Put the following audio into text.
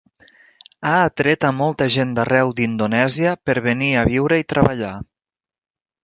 Ha atret a molta gent d'arreu d'Indonèsia per venir a viure i treballar.